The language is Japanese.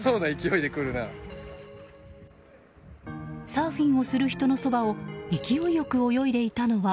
サーフィンをする人のそばを勢いよく泳いでいたのは。